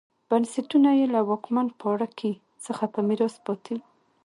بنسټونه یې له واکمن پاړکي څخه په میراث پاتې وو